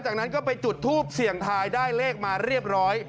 จากนั้นก็ไปจุดทูปเสี่ยงทายได้เลขมาเรียบร้อย